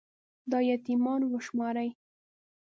دا يـتـيـمـان وشمارئ